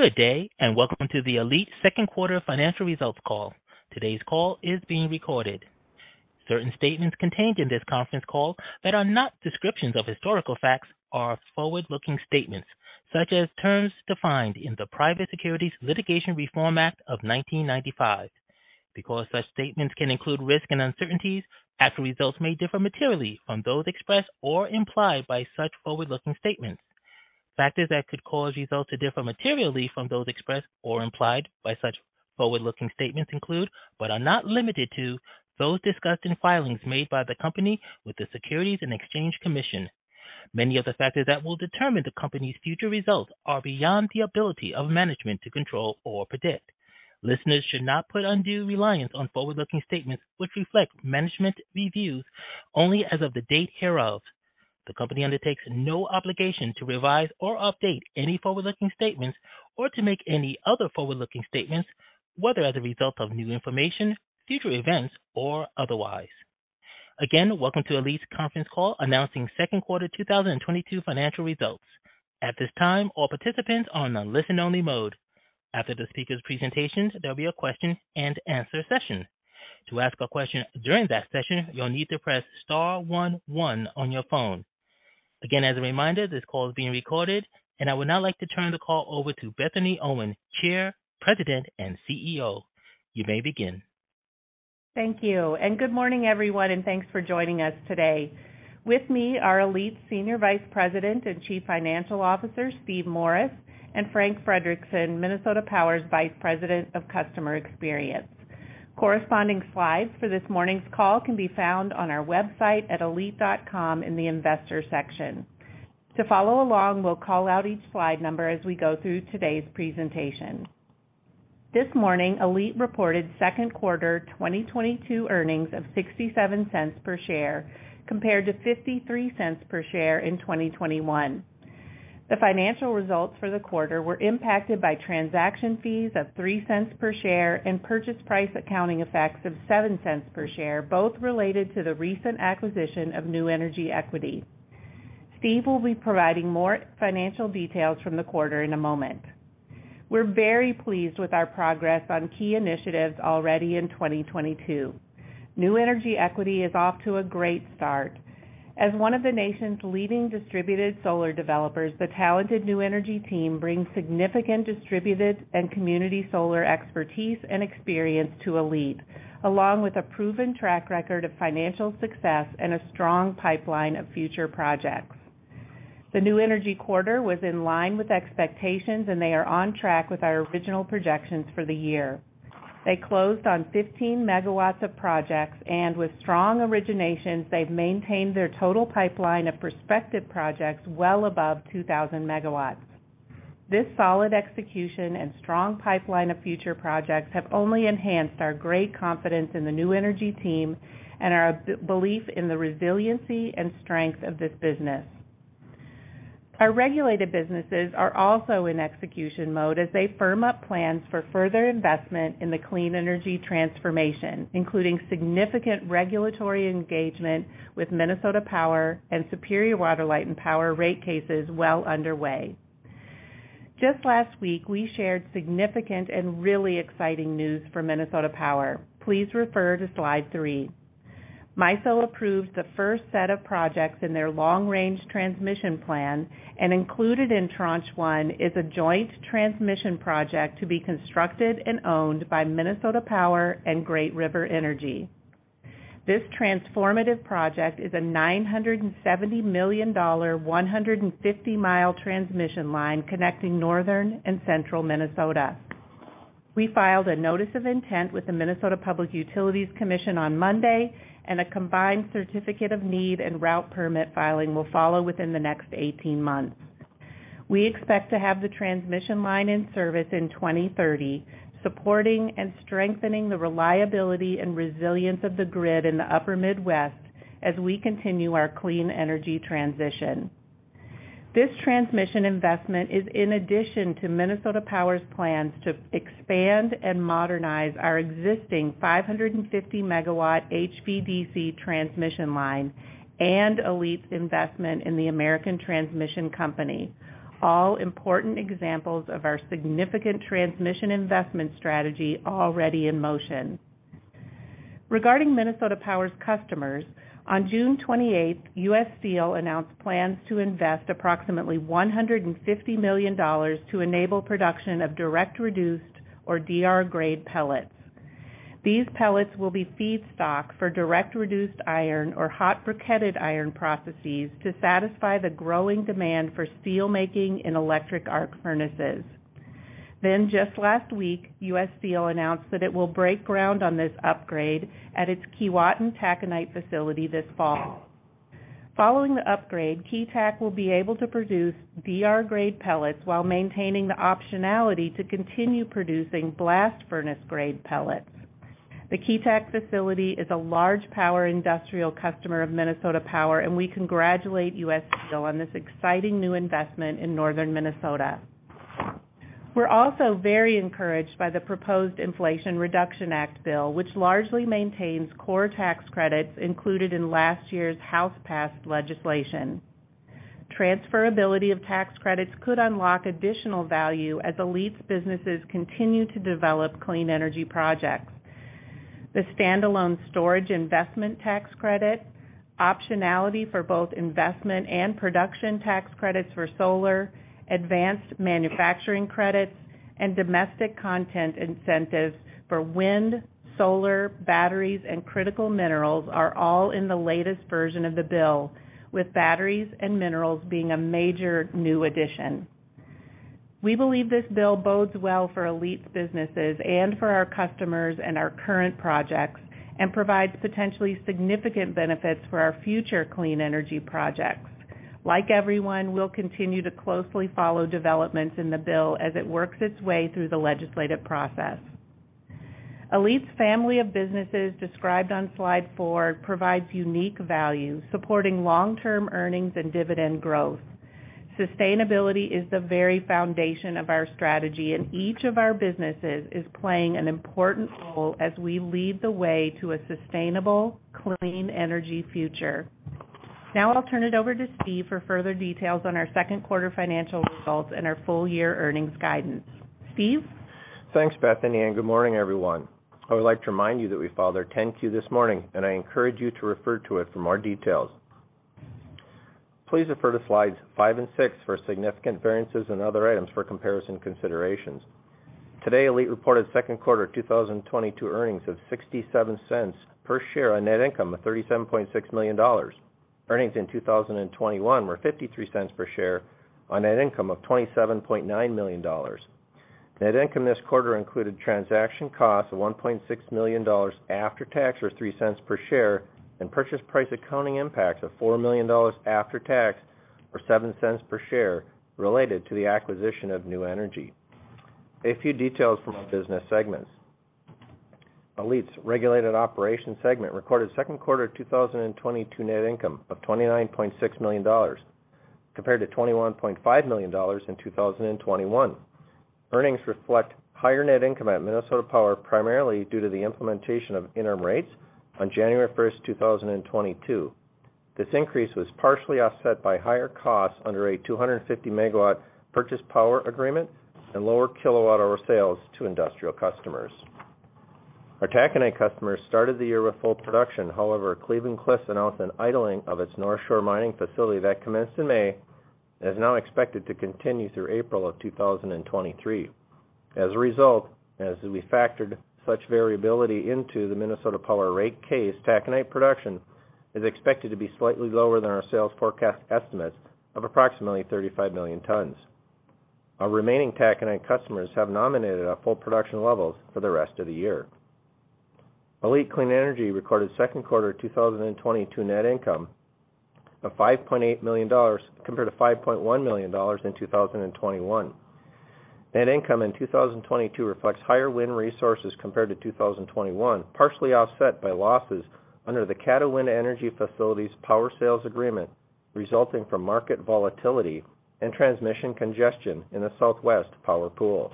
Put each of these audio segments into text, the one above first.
Good day, and welcome to the ALLETE Second Quarter Financial Results Call. Today's call is being recorded. Certain statements contained in this conference call that are not descriptions of historical facts are forward-looking statements, as such terms are defined in the Private Securities Litigation Reform Act of 1995. Because such statements can include risk and uncertainties, actual results may differ materially from those expressed or implied by such forward-looking statements. Factors that could cause results to differ materially from those expressed or implied by such forward-looking statements include, but are not limited to, those discussed in filings made by the company with the Securities and Exchange Commission. Many of the factors that will determine the company's future results are beyond the ability of management to control or predict. Listeners should not put undue reliance on forward-looking statements which reflect management's views only as of the date hereof. The company undertakes no obligation to revise or update any forward-looking statements or to make any other forward-looking statements, whether as a result of new information, future events, or otherwise. Again, welcome to ALLETE's conference call announcing second quarter 2022 financial results. At this time, all participants are on a listen-only mode. After the speaker's presentations, there'll be a question and answer session. To ask a question during that session, you'll need to press star one one on your phone. Again, as a reminder, this call is being recorded, and I would now like to turn the call over to Bethany Owen, Chair, President, and CEO. You may begin. Thank you. Good morning, everyone, and thanks for joining us today. With me are ALLETE Senior Vice President and Chief Financial Officer, Steve Morris, and Frank Frederickson, Minnesota Power's Vice President of Customer Experience. Corresponding slides for this morning's call can be found on our website at allete.com in the investor section. To follow along, we'll call out each slide number as we go through today's presentation. This morning, ALLETE reported second quarter 2022 earnings of $0.67 per share compared to $0.53 per share in 2021. The financial results for the quarter were impacted by transaction fees of $0.03 per share and purchase price accounting effects of $0.07 per share, both related to the recent acquisition of New Energy Equity. Steve will be providing more financial details from the quarter in a moment. We're very pleased with our progress on key initiatives already in 2022. New Energy Equity is off to a great start. As one of the nation's leading distributed solar developers, the talented New Energy team brings significant distributed and community solar expertise and experience to ALLETE, along with a proven track record of financial success and a strong pipeline of future projects. The New Energy quarter was in line with expectations, and they are on track with our original projections for the year. They closed on 15 MW of projects, and with strong originations, they've maintained their total pipeline of prospective projects well above 2,000 MW. This solid execution and strong pipeline of future projects have only enhanced our great confidence in the New Energy team and our belief in the resiliency and strength of this business. Our regulated businesses are also in execution mode as they firm up plans for further investment in the clean energy transformation, including significant regulatory engagement with Minnesota Power and Superior Water, Light and Power rate cases well underway. Just last week, we shared significant and really exciting news for Minnesota Power. Please refer to slide 3. MISO approved the first set of projects in their Long-Range Transmission Plan, and included in Tranche 1 is a joint transmission project to be constructed and owned by Minnesota Power and Great River Energy. This transformative project is a $970 million, 150-mile transmission line connecting northern and central Minnesota. We filed a notice of intent with the Minnesota Public Utilities Commission on Monday, and a combined certificate of need and route permit filing will follow within the next 18 months. We expect to have the transmission line in service in 2030, supporting and strengthening the reliability and resilience of the grid in the upper Midwest as we continue our clean energy transition. This transmission investment is in addition to Minnesota Power's plans to expand and modernize our existing 550 MW HVDC transmission line and ALLETE's investment in the American Transmission Company, all important examples of our significant transmission investment strategy already in motion. Regarding Minnesota Power's customers, on June 28th, U.S. Steel announced plans to invest approximately $150 million to enable production of direct reduced or DR-grade pellets. These pellets will be feedstock for direct reduced iron or hot briquetted iron processes to satisfy the growing demand for steel making in electric arc furnaces. Just last week, U.S. Steel announced that it will break ground on this upgrade at its Keewatin taconite facility this fall. Following the upgrade, Keetac will be able to produce DR-grade pellets while maintaining the optionality to continue producing blast furnace grade pellets. The Keetac facility is a large power industrial customer of Minnesota Power, and we congratulate U.S. Steel on this exciting new investment in northern Minnesota. We're also very encouraged by the proposed Inflation Reduction Act bill, which largely maintains core tax credits included in last year's House-passed legislation. Transferability of tax credits could unlock additional value as ALLETE's businesses continue to develop clean energy projects. The standalone storage investment tax credit, optionality for both investment and production tax credits for solar, advanced manufacturing credits, and domestic content incentives for wind, solar, batteries, and critical minerals are all in the latest version of the bill, with batteries and minerals being a major new addition. We believe this bill bodes well for ALLETE's businesses and for our customers and our current projects, and provides potentially significant benefits for our future clean energy projects. Like everyone, we'll continue to closely follow developments in the bill as it works its way through the legislative process. ALLETE's family of businesses described on slide four provides unique value, supporting long-term earnings and dividend growth. Sustainability is the very foundation of our strategy, and each of our businesses is playing an important role as we lead the way to a sustainable, clean energy future. Now I'll turn it over to Steve for further details on our second quarter financial results and our full year earnings guidance. Steve? Thanks, Bethany, and good morning, everyone. I would like to remind you that we filed our 10-Q this morning, and I encourage you to refer to it for more details. Please refer to slides 5 and 6 for significant variances and other items for comparison considerations. Today, ALLETE reported second quarter 2022 earnings of 67 cents per share on net income of $37.6 million. Earnings in 2021 were 53 cents per share on net income of $27.9 million. Net income this quarter included transaction costs of $1.6 million after tax, or 3 cents per share, and purchase price accounting impacts of $4 million after tax, or 7 cents per share, related to the acquisition of New Energy Equity. A few details from our business segments. ALLETE's regulated operations segment recorded second quarter 2022 net income of $29.6 million, compared to $21.5 million in 2021. Earnings reflect higher net income at Minnesota Power, primarily due to the implementation of interim rates on January 1, 2022. This increase was partially offset by higher costs under a 250 MW purchased power agreement and lower kWh sales to industrial customers. Our taconite customers started the year with full production. However, Cleveland-Cliffs announced an idling of its Northshore Mining facility that commenced in May and is now expected to continue through April 2023. As a result, as we factored such variability into the Minnesota Power rate case, taconite production is expected to be slightly lower than our sales forecast estimates of approximately 35 million tons. Our remaining taconite customers have nominated our full production levels for the rest of the year. ALLETE Clean Energy recorded second quarter 2022 net income of $5.8 million, compared to $5.1 million in 2021. Net income in 2022 reflects higher wind resources compared to 2021, partially offset by losses under the Caddo Wind Energy Facility's power sales agreement, resulting from market volatility and transmission congestion in the Southwest Power Pool.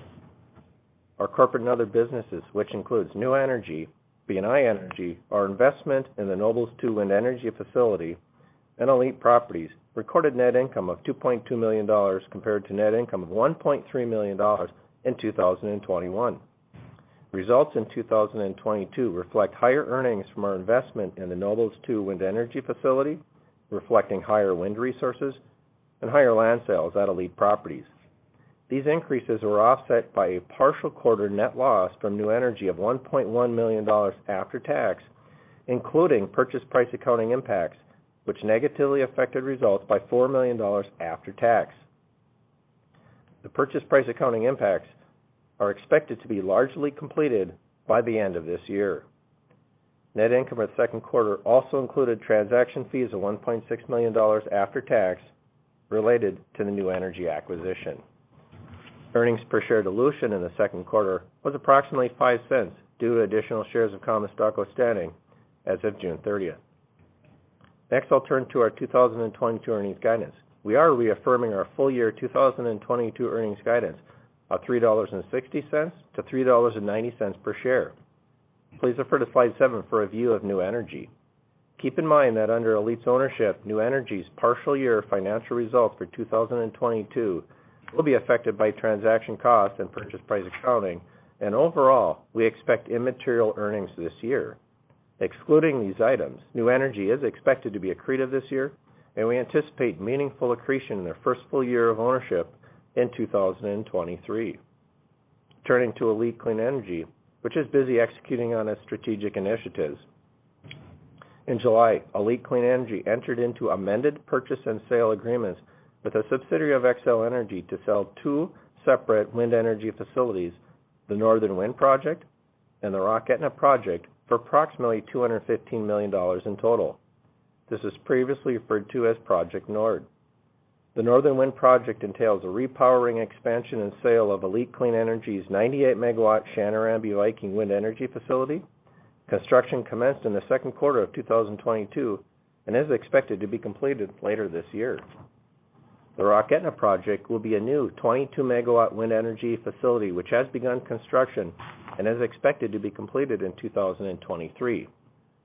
Our corporate and other businesses, which includes New Energy Equity, BNI Energy, our investment in the Nobles Two Wind Energy Facility, and ALLETE Properties, recorded net income of $2.2 million compared to net income of $1.3 million in 2021. Results in 2022 reflect higher earnings from our investment in the Nobles 2 Wind Energy Facility, reflecting higher wind resources and higher land sales at ALLETE Properties. These increases were offset by a partial quarter net loss from New Energy Equity of $1.1 million after tax, including purchase price accounting impacts, which negatively affected results by $4 million after tax. The purchase price accounting impacts are expected to be largely completed by the end of this year. Net income for the second quarter also included transaction fees of $1.6 million after tax related to the New Energy Equity acquisition. Earnings per share dilution in the second quarter was approximately $0.05 due to additional shares of common stock outstanding as of June 30. Next, I'll turn to our 2022 earnings guidance. We are reaffirming our full year 2022 earnings guidance of $3.60-$3.90 per share. Please refer to slide 7 for a view of New Energy Equity. Keep in mind that under ALLETE's ownership, New Energy Equity's partial year financial results for 2022 will be affected by transaction costs and purchase price accounting, and overall, we expect immaterial earnings this year. Excluding these items, New Energy Equity is expected to be accretive this year, and we anticipate meaningful accretion in their first full year of ownership in 2023. Turning to ALLETE Clean Energy, which is busy executing on its strategic initiatives. In July, ALLETE Clean Energy entered into amended purchase and sale agreements with a subsidiary of Xcel Energy to sell two separate wind energy facilities, the Northern Wind Project and the Rock Aetna Project, for approximately $215 million in total. This was previously referred to as Project Nord. The Northern Wind project entails a repowering expansion and sale of ALLETE Clean Energy's 98 MW Chanarambie/Viking wind energy facility. Construction commenced in the second quarter of 2022, and is expected to be completed later this year. The Rock Aetna project will be a new 22 MW wind energy facility which has begun construction and is expected to be completed in 2023.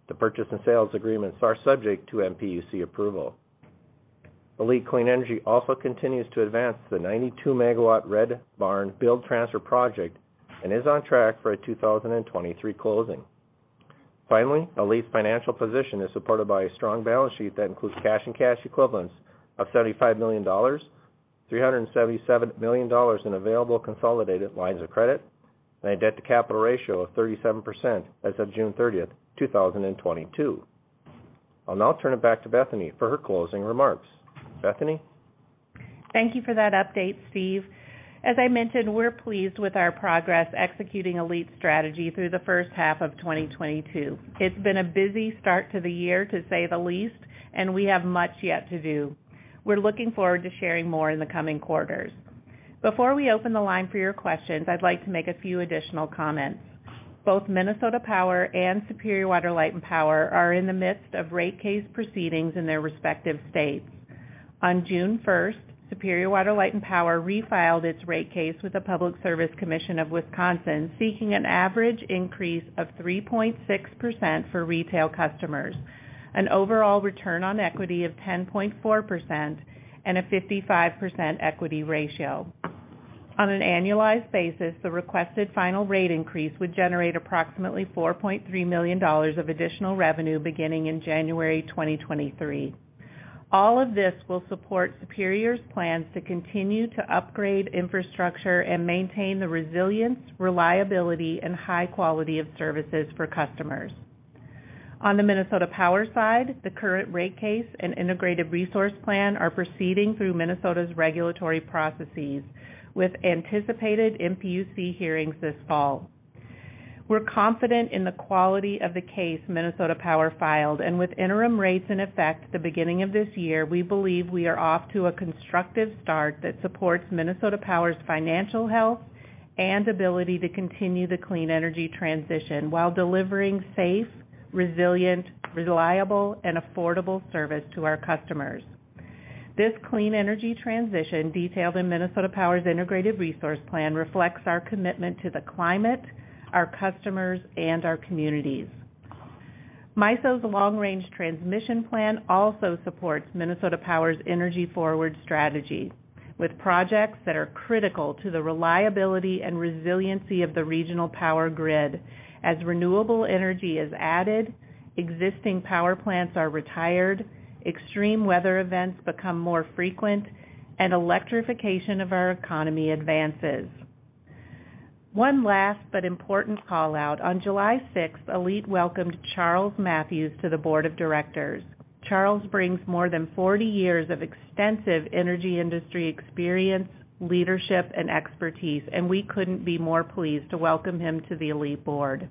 The purchase and sales agreements are subject to MPUC approval. ALLETE Clean Energy also continues to advance the 92 MW Red Barn build transfer project and is on track for a 2023 closing. Finally, ALLETE's financial position is supported by a strong balance sheet that includes cash and cash equivalents of $75 million, $377 million in available consolidated lines of credit, and a debt-to-capital ratio of 37% as of June 30, 2022. I'll now turn it back to Bethany for her closing remarks. Bethany? Thank you for that update, Steve. As I mentioned, we're pleased with our progress executing ALLETE's strategy through the first half of 2022. It's been a busy start to the year, to say the least, and we have much yet to do. We're looking forward to sharing more in the coming quarters. Before we open the line for your questions, I'd like to make a few additional comments. Both Minnesota Power and Superior Water, Light & Power are in the midst of rate case proceedings in their respective states. On June 1, Superior Water, Light & Power refiled its rate case with the Public Service Commission of Wisconsin, seeking an average increase of 3.6% for retail customers, an overall return on equity of 10.4%, and a 55% equity ratio. On an annualized basis, the requested final rate increase would generate approximately $4.3 million of additional revenue beginning in January 2023. All of this will support Superior's plans to continue to upgrade infrastructure and maintain the resilience, reliability, and high quality of services for customers. On the Minnesota Power side, the current rate case and integrated resource plan are proceeding through Minnesota's regulatory processes with anticipated MPUC hearings this fall. We're confident in the quality of the case Minnesota Power filed, and with interim rates in effect at the beginning of this year, we believe we are off to a constructive start that supports Minnesota Power's financial health and ability to continue the clean energy transition while delivering safe, resilient, reliable, and affordable service to our customers. This clean energy transition, detailed in Minnesota Power's integrated resource plan, reflects our commitment to the climate, our customers, and our communities. MISO's long-range transmission plan also supports Minnesota Power's energy-forward strategy, with projects that are critical to the reliability and resiliency of the regional power grid as renewable energy is added, existing power plants are retired, extreme weather events become more frequent, and electrification of our economy advances. One last but important call-out. On July sixth, ALLETE welcomed Charles Matthews to the board of directors. Charles brings more than 40 years of extensive energy industry experience, leadership, and expertise, and we couldn't be more pleased to welcome him to the ALLETE board.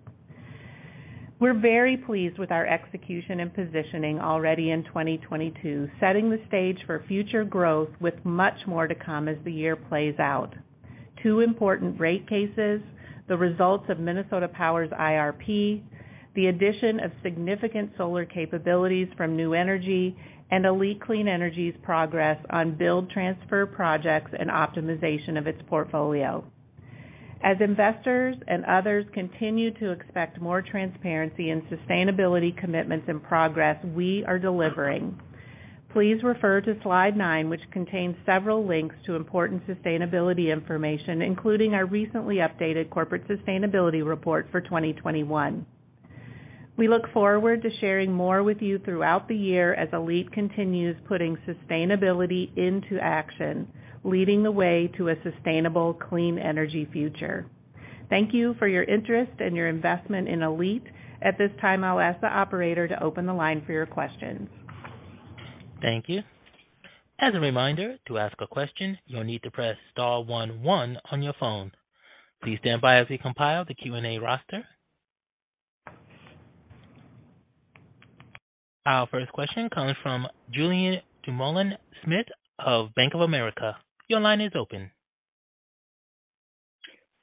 We're very pleased with our execution and positioning already in 2022, setting the stage for future growth with much more to come as the year plays out. Two important rate cases, the results of Minnesota Power's IRP, the addition of significant solar capabilities from New Energy Equity, and ALLETE Clean Energy's progress on build transfer projects and optimization of its portfolio. As investors and others continue to expect more transparency and sustainability commitments and progress, we are delivering. Please refer to slide 9, which contains several links to important sustainability information, including our recently updated corporate sustainability report for 2021. We look forward to sharing more with you throughout the year as ALLETE continues putting sustainability into action, leading the way to a sustainable, clean energy future. Thank you for your interest and your investment in ALLETE. At this time, I'll ask the operator to open the line for your questions. Thank you. As a reminder, to ask a question, you'll need to press star one one on your phone. Please stand by as we compile the Q&A roster. Our first question comes from Julien Dumoulin-Smith of Bank of America. Your line is open.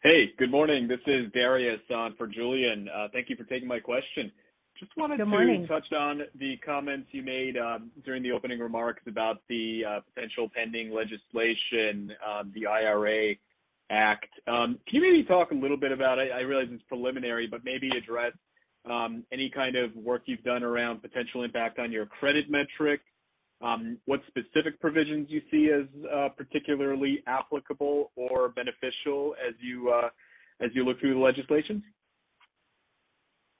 Hey, good morning. This is Dariusz for Julien. Thank you for taking my question. Good morning. Just wanted to touch on the comments you made during the opening remarks about the potential pending legislation, the IRA Act. Can you maybe talk a little bit about it? I realize it's preliminary, but maybe address any kind of work you've done around potential impact on your credit metric, what specific provisions you see as particularly applicable or beneficial as you look through the legislation.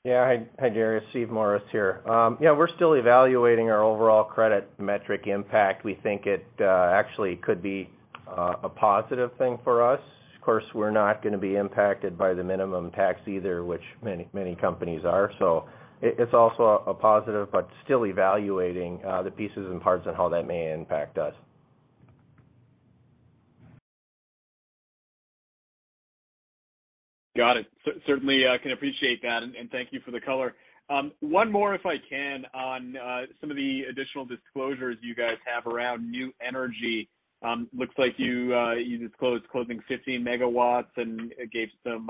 Yeah. Hi, Dariusz. Steve Morris here. Yeah, we're still evaluating our overall credit metric impact. We think it actually could be a positive thing for us. Of course, we're not gonna be impacted by the minimum tax either, which many, many companies are. It's also a positive, but still evaluating the pieces and parts on how that may impact us. Got it. Certainly, I can appreciate that, and thank you for the color. One more, if I can, on some of the additional disclosures you guys have around New Energy. Looks like you disclosed closing 15 MW and gave some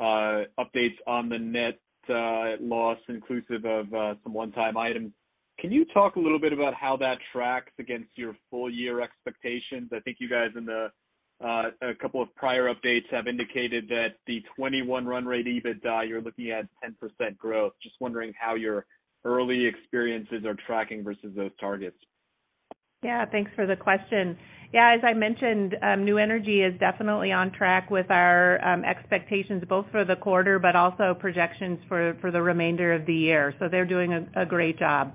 updates on the net loss inclusive of some one-time items. Can you talk a little bit about how that tracks against your full year expectations? I think you guys in a couple of prior updates have indicated that the 2021 run rate EBITDA, you're looking at 10% growth. Just wondering how your early experiences are tracking versus those targets. Yeah, thanks for the question. Yeah, as I mentioned, New Energy is definitely on track with our expectations both for the quarter but also projections for the remainder of the year. They're doing a great job.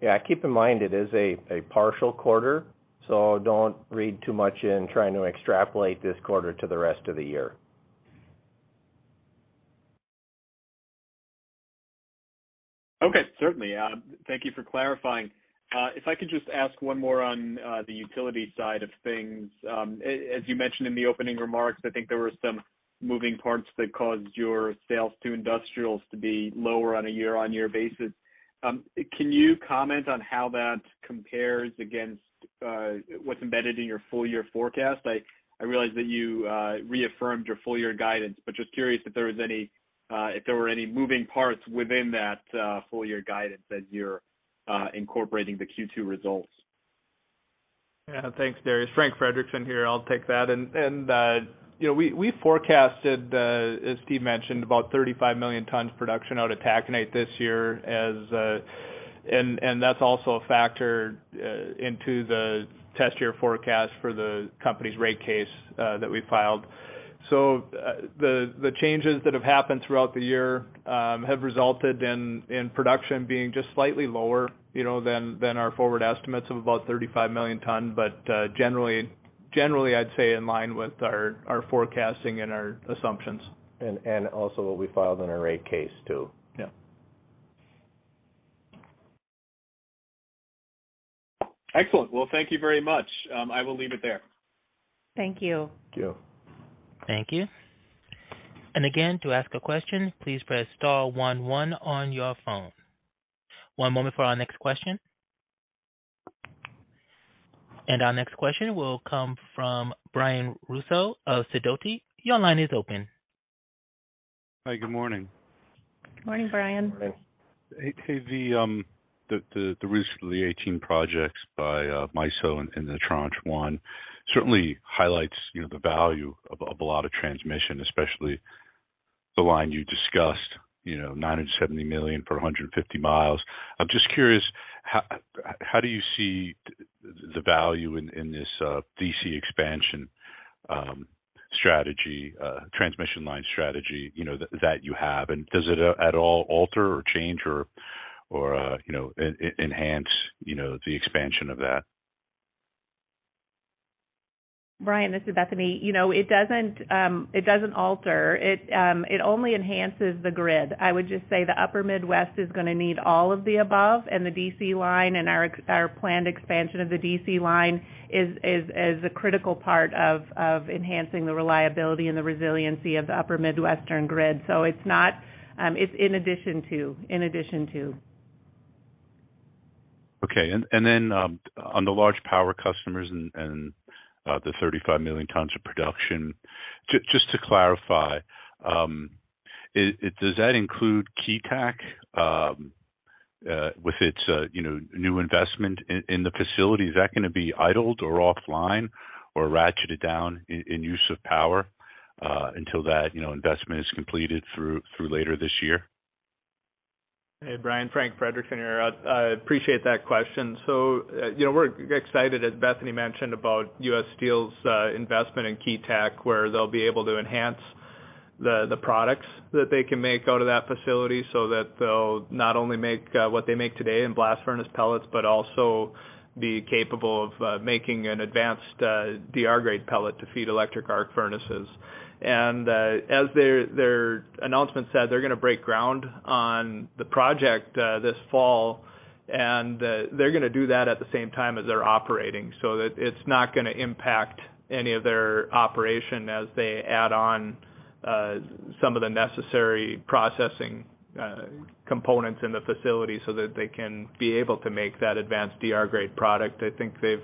Yeah. Keep in mind it is a partial quarter, so don't read too much in trying to extrapolate this quarter to the rest of the year. Okay. Certainly. Thank you for clarifying. If I could just ask one more on the utility side of things. As you mentioned in the opening remarks, I think there were some moving parts that caused your sales to industrials to be lower on a year-on-year basis. Can you comment on how that compares against what's embedded in your full year forecast? I realize that you reaffirmed your full year guidance, but just curious if there were any moving parts within that full year guidance as you're incorporating the Q2 results. Yeah. Thanks, Darius. Frank Frederickson here. I'll take that. You know, we forecasted, as Steve mentioned, about 35 million tons production out of taconite this year, and that's also a factor into the test year forecast for the company's rate case that we filed. The changes that have happened throughout the year have resulted in production being just slightly lower, you know, than our forward estimates of about 35 million tons. Generally, I'd say in line with our forecasting and our assumptions. also what we filed in our rate case, too. Yeah. Excellent. Well, thank you very much. I will leave it there. Thank you. Thank you. Thank you. Again, to ask a question, please press star one one on your phone. One moment for our next question. Our next question will come from Brian Russo of Sidoti. Your line is open. Hi. Good morning. Morning, Brian. Morning. The recent 18 projects by MISO in Tranche 1 certainly highlights, you know, the value of a lot of transmission, especially the line you discussed, you know, $970 million for 150 miles. I'm just curious, how do you see the value in this HVDC expansion strategy, transmission line strategy, you know, that you have? Does it at all alter or change or enhance, you know, the expansion of that? Brian, this is Bethany. You know, it doesn't alter. It only enhances the grid. I would just say the Upper Midwest is gonna need all of the above and the DC line and our planned expansion of the DC line is a critical part of enhancing the reliability and the resiliency of the Upper Midwestern grid. It's not, it's in addition to. Okay. On the large power customers and the 35 million tons of production, just to clarify, does that include Keetac with its you know new investment in the facility? Is that gonna be idled or offline or ratcheted down in use of power until that you know investment is completed through later this year? Hey, Brian. Frank Frederickson here. I appreciate that question. You know, we're excited, as Bethany mentioned, about U.S. Steel's investment in Keetac, where they'll be able to enhance the products that they can make out of that facility, so that they'll not only make what they make today in blast furnace pellets, but also be capable of making an advanced DR-grade pellet to feed electric arc furnaces. As their announcement said, they're gonna break ground on the project this fall, and they're gonna do that at the same time as they're operating, so it's not gonna impact any of their operation as they add on some of the necessary processing components in the facility so that they can be able to make that advanced DR-grade product. I think they've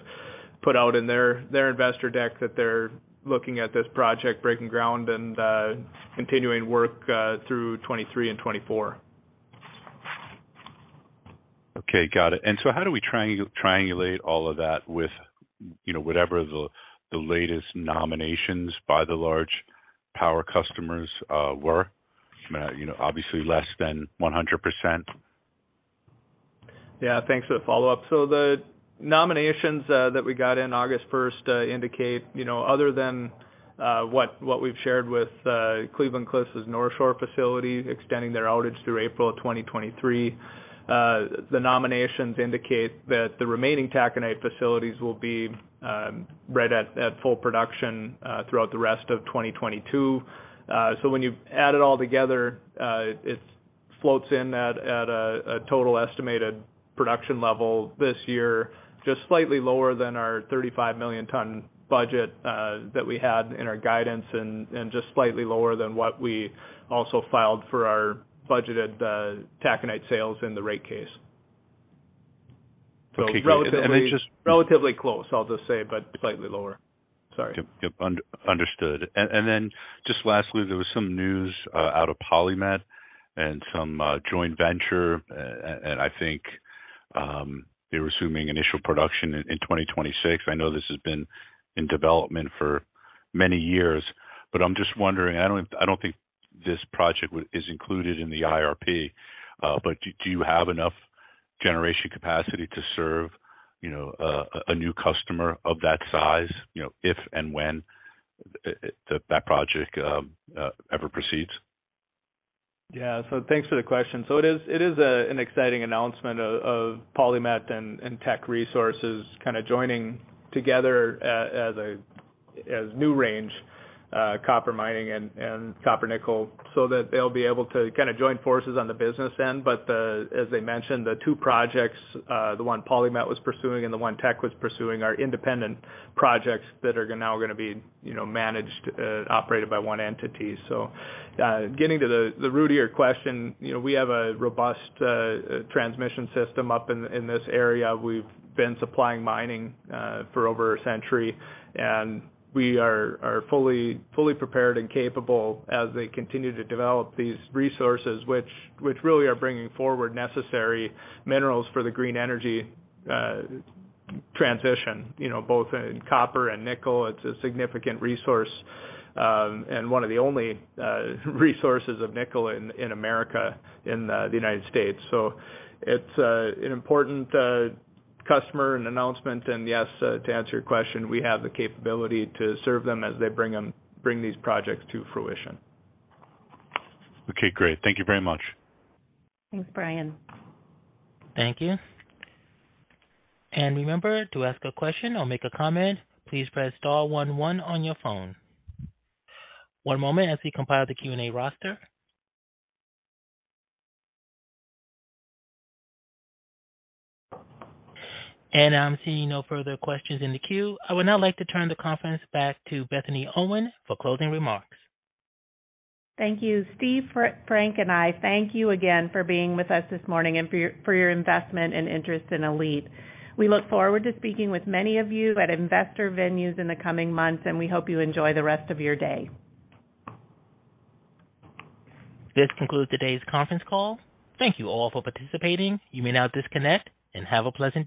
put out in their investor deck that they're looking at this project breaking ground and continuing work through 2023 and 2024. Okay, got it. How do we triangulate all of that with, you know, whatever the latest nominations by the large power customers were? You know, obviously less than 100%. Yeah. Thanks for the follow-up. The nominations that we got in August 1 indicate, you know, other than what we've shared with Cleveland-Cliffs' Northshore facility extending their outage through April of 2023, the nominations indicate that the remaining taconite facilities will be right at full production throughout the rest of 2022. When you add it all together, it floats in at a total estimated production level this year, just slightly lower than our 35 million ton budget that we had in our guidance and just slightly lower than what we also filed for our budgeted taconite sales in the rate case. Okay. Relatively close, I'll just say, but slightly lower. Sorry. Yep. Understood. Then just lastly, there was some news out of PolyMet and some joint venture, and I think they're assuming initial production in 2026. I know this has been in development for many years, but I'm just wondering, I don't think this project is included in the IRP, but do you have enough generation capacity to serve, you know, a new customer of that size, you know, if and when that project ever proceeds? Yeah. Thanks for the question. It is an exciting announcement of PolyMet and Teck Resources kind of joining together as NewRange Copper Nickel, so that they'll be able to kind of join forces on the business then. As I mentioned, the two projects, the one PolyMet was pursuing and the one Teck was pursuing, are independent projects that are now gonna be, you know, managed, operated by one entity. Getting to the root of your question, you know, we have a robust transmission system up in this area. We've been supplying mining for over a century. We are fully prepared and capable as they continue to develop these resources which really are bringing forward necessary minerals for the green energy transition. You know, both in copper and nickel, it's a significant resource, and one of the only resources of nickel in America, in the United States. It's an important customer and announcement. Yes, to answer your question, we have the capability to serve them as they bring these projects to fruition. Okay, great. Thank you very much. Thanks, Brian. Thank you. Remember, to ask a question or make a comment, please press star one one on your phone. One moment as we compile the Q&A roster. I'm seeing no further questions in the queue. I would now like to turn the conference back to Bethany Owen for closing remarks. Thank you. Steve, Frank, and I thank you again for being with us this morning and for your investment and interest in ALLETE. We look forward to speaking with many of you at investor venues in the coming months, and we hope you enjoy the rest of your day. This concludes today's conference call. Thank you all for participating. You may now disconnect and have a pleasant day.